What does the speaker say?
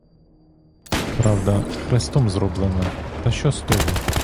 Правда, хрестом зроблена, та що з того?